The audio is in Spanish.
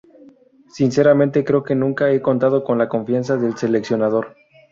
Sinceramente, creo que nunca he contado con la confianza del seleccionador.